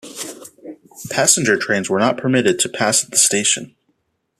Passenger trains were not permitted to pass at this station.